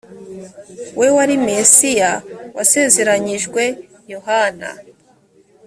we wari mesiya wasezeranyijwe yohana